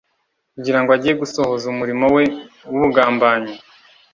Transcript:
kugira ngo ajye gusohoza umurimo we w'ubugambanyi.